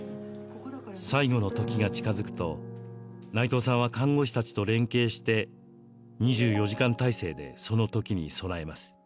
最期のときが近づくと内藤さんは看護師たちと連携して２４時間体制でそのときに備えます。